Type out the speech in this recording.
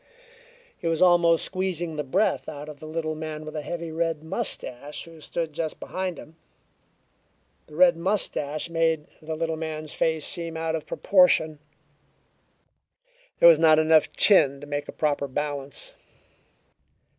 He was almost squeezing the breath out of the little man with a heavy red mustache who stood just behind him. The red mustache made the little man's face seem out of proportion; there was not enough of chin to make a proper balance.